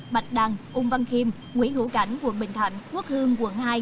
bạch đăng úng văn khiêm nguyễn hữu cảnh quận bình thạnh quốc hương quận hai